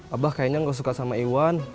abah kayaknya nggak suka sama iwan